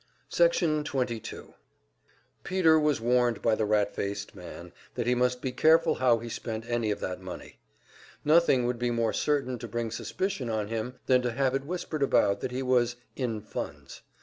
Section 22 Peter was warned by the rat faced man that he must be careful how he spent any of that money. Nothing would be more certain to bring suspicion on him than to have it whispered about that he was "in funds."